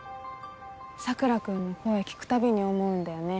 佐倉君の声聞くたびに思うんだよね。